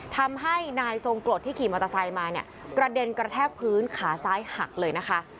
ทำให้นายทรงกรดที่ขี่มอเตอร์ไซค์มาเนี่ยกระเด็นกระแทกพื้นขาซ้ายหักเลยนะคะ